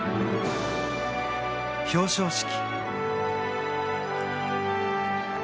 表彰式。